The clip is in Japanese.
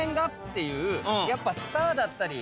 やっぱスターだったり。